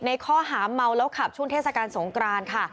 ข้อหาเมาแล้วขับช่วงเทศกาลสงกรานค่ะ